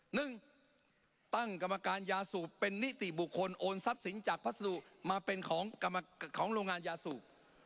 หนึ่งตั้งกรรมการยาสูบเป็นนิติบุคคลโอนทรัพย์สินจากพัสดุมาเป็นของโรงงานยาสูบ